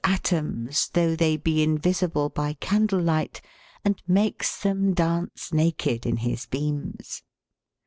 atomes, though they be invisible by candle light, and makes them dance naked in his beams."